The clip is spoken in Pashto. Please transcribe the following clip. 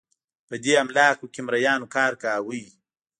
په دې املاکو کې مریانو کار کاوه